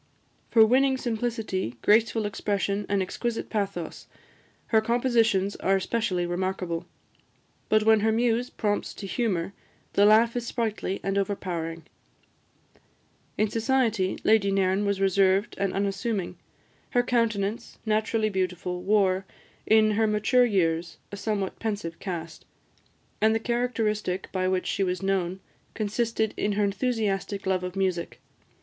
For winning simplicity, graceful expression, and exquisite pathos, her compositions are especially remarkable; but when her muse prompts to humour, the laugh is sprightly and overpowering. In society, Lady Nairn was reserved and unassuming. Her countenance, naturally beautiful, wore, in her mature years, a somewhat pensive cast; and the characteristic by which she was known consisted in her enthusiastic love of music.